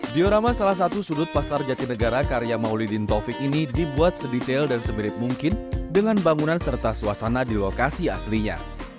diorama salah satu sudut pasar jatinegara karya maulidin taufik ini dibuat sedetail dan semirip mungkin dengan bangunan serta suasana di lokasi aslinya